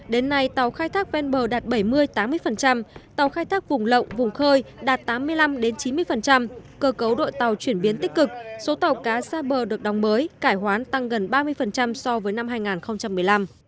đến nay tàu khai thác ven bờ đạt bảy mươi tám mươi tàu khai thác vùng lộng vùng khơi đạt tám mươi năm chín mươi cơ cấu đội tàu chuyển biến tích cực số tàu cá xa bờ được đóng mới cải hoán tăng gần ba mươi so với năm hai nghìn một mươi năm